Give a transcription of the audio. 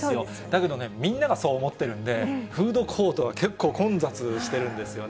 だけどね、みんながそう思ってるんで、フードコートは、結構混雑してるんですよ。